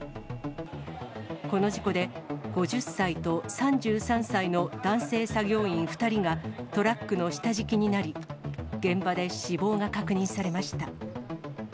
この事故で、５０歳と３３歳の男性作業員２人が、トラックの下敷きになり、現場で死亡が確認されました。